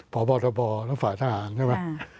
พบทบและฝ่ายทหารใช่ไหม